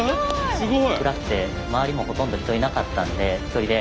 すごい！